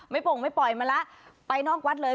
โป่งไม่ปล่อยมาแล้วไปนอกวัดเลย